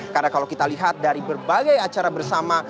karena kalau kita lihat dari berbagai acara bersama